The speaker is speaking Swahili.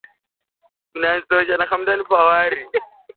kumi na tisa